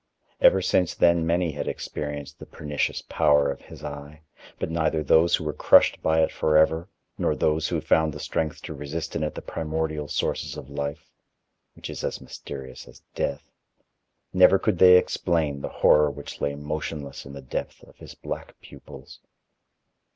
Ever since then many had experienced the pernicious power of his eye, but neither those who were crushed by it forever, nor those who found the strength to resist in it the primordial sources of life, which is as mysterious as death, never could they explain the horror which lay motionless in the depth of his black pupils.